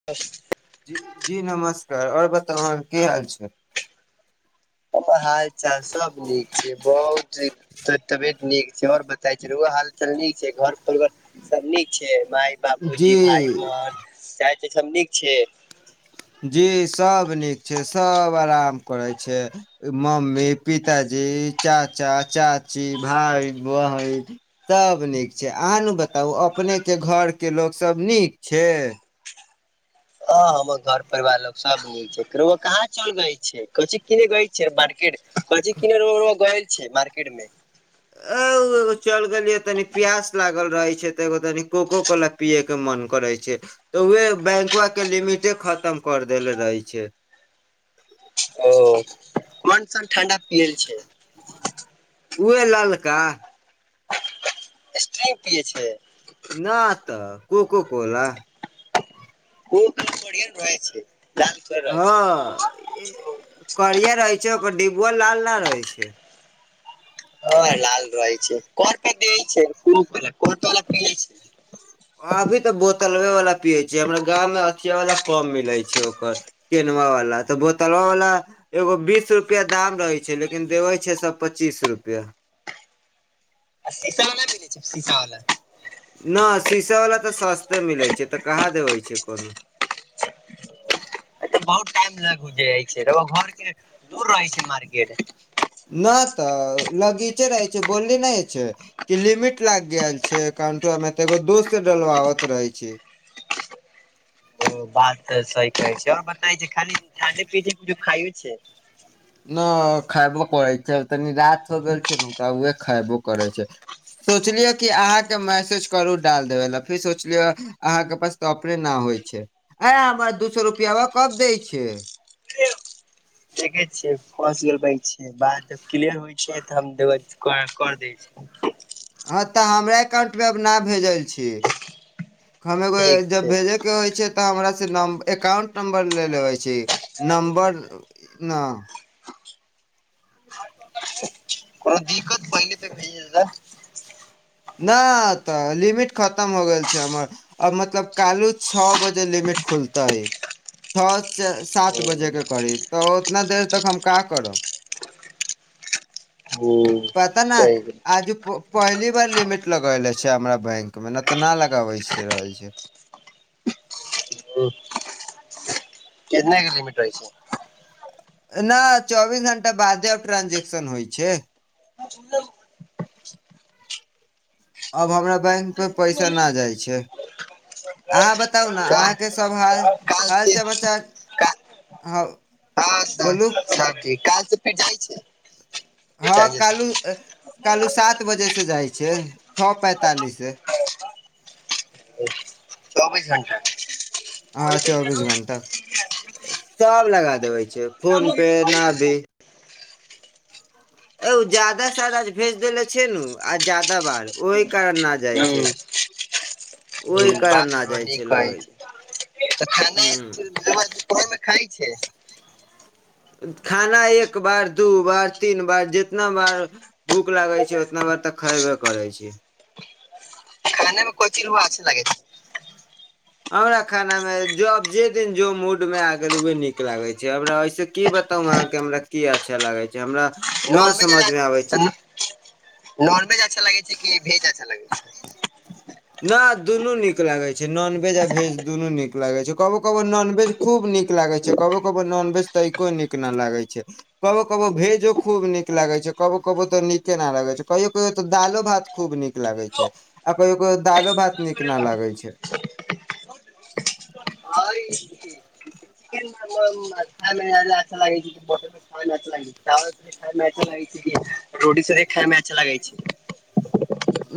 [unintelligible] जी नमस्कार और बताउ अहाँके की हाल छै हमर हालचाल सभ नीक छै बहुत ही त तबियत नीक छैय और बताय छैय रौआ हाल चाल नीक छैय घर परिवार सभ नीक छैय माय जी बाबूजी भाय बहन [unintelligible] सभ नीक छियै जी सभ नीक छैय सभ आराम करैय छैय मम्मी पिताजी चाचा चाची भाइ बहिन सभ नीक छैय अहाॅंनु बताउ अपनेके घरके लोकसभ नीक छैय ह हम्मर घर परिवार लोक सभ नीक छै रउआ कहाँ चल गेल छैय कोची किनै गय छैय मार्केट कोची किने रउआ - रउआ गयल छैय मार्केट मे आउ एगो चल गैलियै तनी प्यास लागल रहे छैय त एगो तनि कोको कोला पियै के मन करे छैय तऽ उहे बैंकवा के लिमिटे खतम कर देल रहे छैय ओ कोन सन ठण्डा पिएल छैय उहे ललका स्टिंग पियए छैयय ना तऽ कोको कोला ओ तऽ बढ़िया रहैय छैय हँ करिया रहैय छैय ओकर डिबुआ लाल ना रहैय छैय [unintelligible] लाल रहै छैय [unintelligible] छैय [unintelligible] अभी तऽ बोत लवे वला पिये छियै हमरा गाममे अथिये वला कम मिलै छैय ओकर केनवा वला तऽ बोतलवा वला एगो बीस रुपैया दाम रहै छै लेकिन देवै छै सभ पच्चीस रुपैया आ शीशा वला नहि मिलै छै शीशा वला [unintelligible] न शीशा वाला तऽ सस्ते मिलै छै तऽ कहाँ देबे छै कोनो तऽ बहुत टाइम लग देयै छै [unintelligible] घर के दूर रहै छै न मार्केट ना तऽ लगीचे रहै छै बोलली नै छै [unintelligible] की लिमिट लागि गेल छै एकाउंटो मे तऽ एगो दोस्त से डलबाबत रहै छी ओ बात तऽ सही कहै छै आओर बता छै खाली खाते पीते कुछो खाइयो छै। न खैबो करै छियै तनि रात हो गेल छै ने तऽ उहे खैबो करै छियै। सोचलि य की अहाँके मैसेज करु डाल देबे ला फिर सोचलि य अहाँके पास तऽ अपने न होइ छै ऐ हमरा दू सौ रुपयाबा कब दै छै। देखै छियै फँस गेल बैंक छियै। बात [inaudible] क्लियर होइ छै तऽ हम देब कर दै छी हँ तऽ हमरा एकाउंट मे अब न भेजै छी हम एगो ठीक जब छै भेजै के होइ छै तऽ हमरा से एकाउंट नंबर ले लेबै छी नंबर न कोनो दिक्कत पहिले तऽ भेज [unintelligible] ना तऽ लिमिट खतम हो गेल छै हमर आ मतलब कालू छौ बजे लिमिट खुलतै। छौ से सात बजे के हूँ करीब तऽ उतना देर तक हम का करब। पता न सही आजु प पहिली बार लिमिट लगैले छै हमरा बैंक मे न तऽ न लगावै छियै रहै छै। उंह केतना के लिमिट रहै छै ना चौबीस घंटा बादे आब ट्रांजेक्शन होइ छै। [inaudible] अब हमरा बैंक मे पैसा न जाइ छै। अहाँ बताउ न अहाँके सभ हाल काल हाल से समाचार हँ बोलू हँ जी काल से फेर जाइ छै [unintelligible] हँ संगे कालू- संग कालू सात बजे से जाइ छै छौ पैंतालिस से चौबीस घंटा के हँ चौबीस घंटा सब लगा देबै छै फोन हुँ पे न भी [unintelligible] जादा से जादा भेज देेने छै नू आ जादा बार ओहि कारण न जाइ हुँ छै ओहि कारण न जाइ छै लगै ह [unintelligible] [unintelligible] खाइ छै खाना एक बार दू बार तीन बार जितना बार भूख लागे छै उतना बार तऽ खैबे करै छी। खाना मे [unintelligible] अच्छे लागै छै हमरा खाना मे जोब जे दिन जो मूड मे आ गेल हमरा उहे नीक लागै छै हमरा ओहिसे की बताऊ अहाँ के हमरा की अच्छा लागे छै हमरा छै न समझ मे आबै छै नॉनवेज नॉनवेज अच्छा लगै छै कि भेज अच्छा लगै छै। ना दुनू नीक लागै छै नॉनभेज आ भेज दुनू नीक लागै छै कबो कबो नॉनभेज खूब नीक लागै छै कबो कबो नॉनवेज तइको नीक न लागे छै कबो कबौ भेजो खूब नीक लागै छै कबो कबो तो नीके न लगै छै कहियो कहियो तऽ दालो भात खूब नीक लागै छै आ कहियो कहियो तऽ दालो भात नीक न लागै छै। [unintelligible] अच्छा लागै। [unintelligible] रोटी संगे खायमे अच्छा लगै छै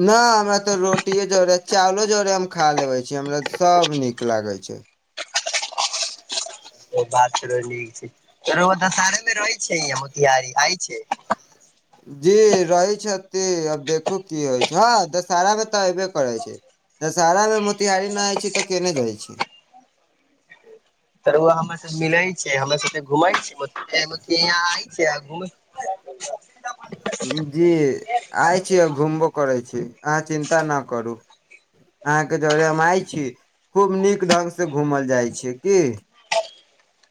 न हमरा ते रोटीये जड़े चावलो जरे हम खा लेबे छी हमरा त सब नीक लागे छै ओ बात तोरो नीक छै रउआ दशहरे मे रहै छै य मोतिहारी आइ छै जी रहै छथि अब देखू की होइ छै हँ दशहरा मे तऽ अयबे करै छै दशहरा मे मोतिहारी ना होइ छै तऽ केने जाइ छै त रउआ हमरा सब मिलै छै हमरा सब घुमै छी यहाँ आय [unintelligible] [inaudible] जी आइ छी आ घुमबो करै छी अहाँ चिन्ता न करू अहाँके जरे हम आय छी खूब नीक ढंग से घूमल जाय छी की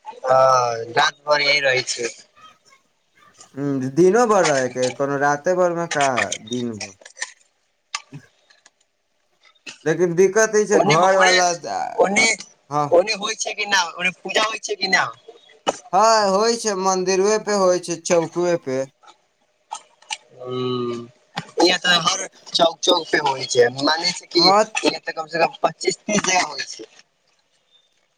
[unintelligible] रहय छि हूँ दिनो भरि रहेके हय कोनो राते भर मे का दिन भर लेकिन दिक्कत ई। ओ छै ओने घर वाला ओने हँ ओने होइ छै क न ओने पूजा होइ छै क ना हँ होइ छै मंदिरबे होइ छै चौकवे पे हुं इह तऽ हर चौक चौक पे होइ छै मने [unintelligible] कि हँ तऽ कम से कम पच्चीस तीस जगह होैए छै।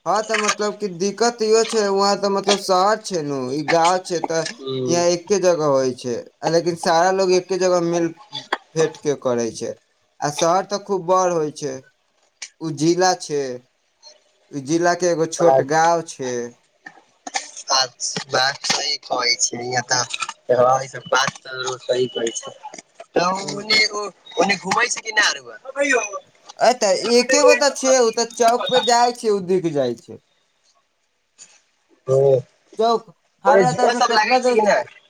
हँ तऽ मतलब कि दिक्कत इहो छै वहां तऽ मतलब शहर छै नु ई गाँव छै। तऽ हूँ यहाँ एके जगह होइ छै, लेकिन सारा लोग एके जगह मिल। फेट के करे छै आ शहर तऽ खूब बड़ होइ छै। उ जिला छै। ई जिला के एगो छोट बात गाँव छै। [unintelligible] [unintelligible] गांव मे ए ने एगो। मोने घुमै छै कि ना रउआ [unintelligible] अ तऽ एके गो तऽ छै ओ तऽ चौक पे जाइ छै ओ दिख जाइ छै [unintelligible] सब चौक लागै हमरा छै कि नहि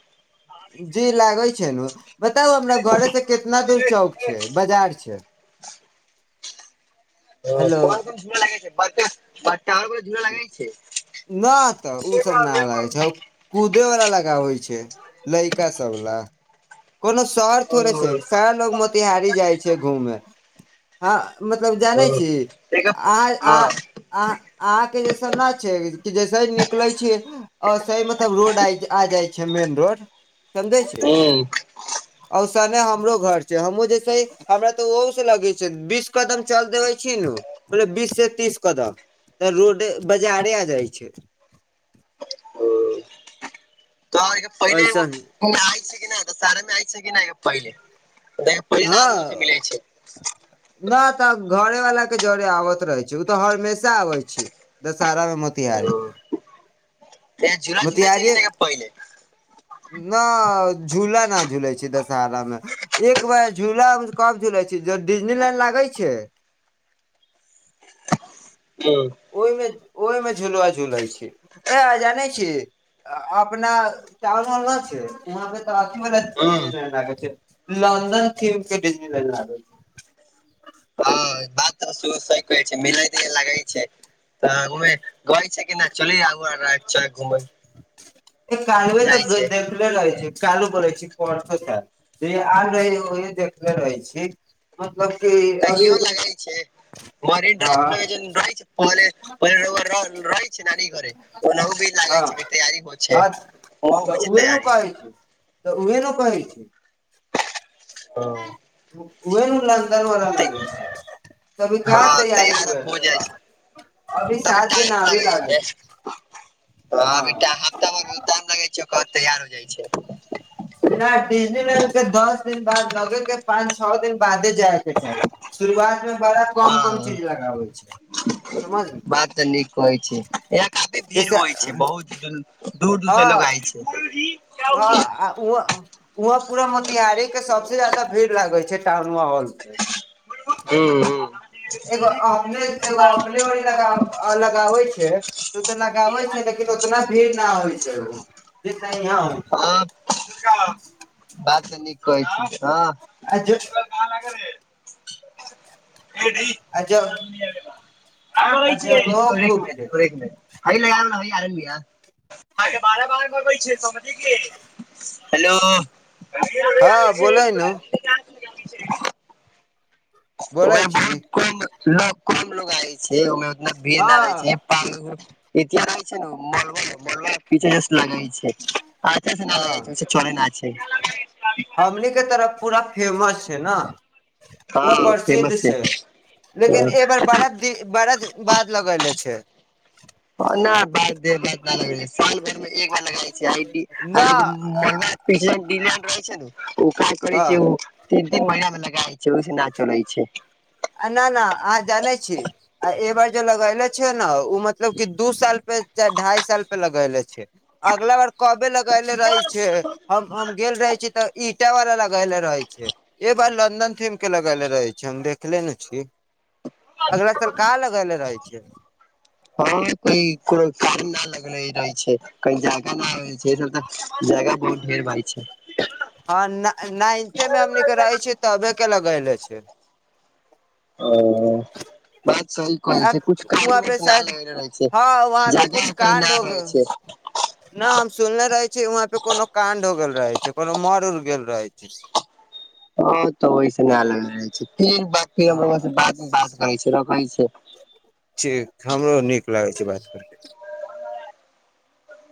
जी लागे छै ने बताउ अपना घरे से केतना दूर चौक छै बाजार छै। ओ हेलो कोन कोन झूला लगै छै बरका बंटा आओर के झूला लागै छै ना तऽ उ सब ना लागे छै कुदे वला लगाबै छै लइका सब ला कोनो शहर ओ थोड़े छै शहर लोग मोतिहारी जाइ छै घूमे। हँ मतलब ओ जानै छी एकर आइ हँ आ। आ आंहा के जैसन न छै जैसहि निकलै छिय ओसही मतलब रोड आ जाइ छै मेन रोड [unintelligible] छै हुँ ओ औसने हमरो घर छै हमहु जेसे ही हमरा तऽ ओहु स लगे छै बीस कदम चल देबै छी नु [unintelligible] बीस स तीस कदम तऽ रोडे बजारे आ जाइ छै तऽ पहिले ओ ऐसन आइ छै कि नहि सारे मे आइ छै कि नहि पहिले पहिले ना रउआ से मिलै छै हं न तऽ घरे वाला के जरे आबैत रहै छै उ तऽ हमेशा आबै छे दशहरा मे मोतिहारी तें झुला झुलाै छै कि नहि पहिले न झूला न झूले छै दशहरा मे एक बार झूला कब झूला छै ज डिजनी लाइंड लागै छै हूंम्म ओहि मे ओहिमे झुलवा झुलै छी ऐ जानै छी अपना चावल न छै वहाँ पे तऽ ज हुँ लै छै लन्दन म के डज लन लागै छै हँ बात तऽ सेहो सही कहै छै मिलय द लागै छै तऽ घूमे गै छै कि नहि चल आ घुमै त कालबे जाइ तऽ छै गैद ले रहै छै कालो बोले छै परसो आब रहै [unintelligible] देखले रहै छी मतलब कि अभी कहियो लगै छै मोरीन हँ ड्राइव पहले ओ रहि छै नानी घरे ओनाहो भी लागै छै हँ तैयारी हो छै हँ वहुं तऽ होइ छै उहे ने तैयारी कहै तऽ उहे न कहै छी हँ ओहे नु लग ते- कभी कहां हँ, तैयारी तैयार अब हो जाइ छै अभी तभी सात दिन आबी [unintelligible] लागै [unintelligible] ब [unintelligible] हफ्ता हँ मे [unintelligible] अभी टाइम लगै छै ओकर तैयार हो जाइ छै नहि डिजनीलैंड के दस दिन बाद लगे के पाँच छौ दिन बादे जाय के चाही शुरुआत मे बड़ा कम कम हँ चीज लगाबै छै समझली बात तऽ नीक कहै छियै यहाँ काफी भीड़ जैसे होइ छै बहुत दूर दूर से लोग हँ आय छै घरी [unintelligible] हँ आ उहो उहो [unintelligible] पूरा मोतिहारी के सबसे जादा भीड़ लागे छै टाउनवा [unintelligible] हॉल पे [inaudible] हूंम्म हूंम्म एगो अपने एगो अपने ओरी [unintelligible] लगा लगाबै छै तू [unintelligible] तऽ लगाबै छै लेकिन उतना भीड़ न होइ छै उ जेतना इहाँ होइ छै हँ बात तऽ नीक कहै छी हँ आ जो [unintelligible] कहाँ लागल हे [unintelligible] आ ज [unintelligible] अइ ल आ जगहो यार खूब छै हइ [unintelligible] लागलरिया अहाँके बारह बरमे अबै [unintelligible] [unintelligible] समझी के हेलो हँ आबै छै बोलै नु छै [unintelligible] बोलै ओहिमे छी बहुत कम ल कम लोग आय [unintelligible] छै ओहिमे उतना भीड़ न रहै हँ छै प [unintelligible] एतना रहै छै ने मलबल मलबल पीछनेस लगै छै अच्छा से [unintelligible] न हँ लगा छै चोले न छै [unintelligible] हमनी के तरफ पूरा फेमस छै न पूरा हँ फेमस प्रसिद्ध छै लेकिन ए बेर बड़ा बड़ा दिन बाद लगैले छै। हँ नहि बाद दे बाद न लग [unintelligible] साल भरि मे एक बार लगाय [unintelligible] छै [unintelligible] न रहै छै नु उ काज करै हँ छियै [unintelligible] ओ तीन तीन महिना मे लगाइ छै ओहिस न चलै छै आ न न अहाँ जनै छी आ ए बार जे लगैले छै न उ मतलब कि दू साल पे चाहे ढाय साल पे लगैले छै। अगला बार कबे लगैले रहै छै हम हम गेल रहै छी तऽ ईंटा वाला लग लगैले रहै छै ए बार लन्दन थीम के लगैले रहै छै हम देखले न छी। अगला साल कहाँ लगेले रहै छियै हँ क कोनो [unintelligible] काम न लगले रहे छै कही जागा न हो छै सब तऽ जगह [unintelligible] बहुत ढेर भइ छै हँ नाइन्थे मे हमनीक केे रहे छीयै तबे के लगैले छै ओ बात सही कहै [unintelligible] आ छै कुछ कारण वहाँ पे वश न शायद लगले रहे छै हँ वहाँ पे कुछ जगह कही न कांड होग रहे छै [inaudible] न हम सुनले रहे छीयै वहाँ पे कोनो [unintelligible] कांड हो गेल रहे छै कोनो मर उड़ गेल रहै छै ओ [unintelligible] तऽ ओहिस न लग रहै छै फेर ब [unintelligible] हँ हमो बाद मे बात करै छी रखै छै ठीक हमरो नीक लागै छै बात करैमे [inaudible]